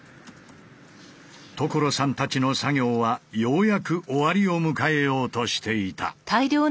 所さんたちの作業はようやく終わりを迎えようとしていた。